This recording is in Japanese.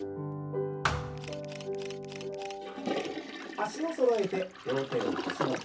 脚をそろえて両手を腰の横。